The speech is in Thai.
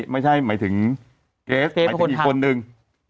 ไม่ใช่หมายถึงเกสหมายถึงอีกคนนึง